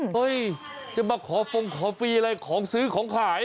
เฮ้ยจะมาขอฟงขอฟรีอะไรของซื้อของขาย